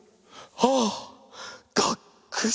はあがっくし！